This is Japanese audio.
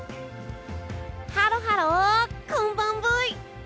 ハロハロこんばんブイ。